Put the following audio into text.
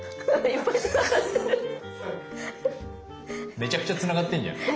めちゃくちゃつながってんじゃん。